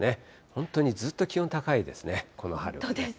本当にずっと気温高いですね、この春。